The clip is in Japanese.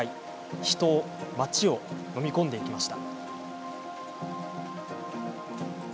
人を、町をのみ込んでいきました。